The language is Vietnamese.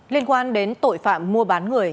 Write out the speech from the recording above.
liên quan đến tội phạm mua bán người